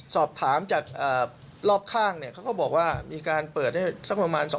สอบถามจากรอบแถมต่อทางการแถมมีการปิดป่าลถึง๒๓วัน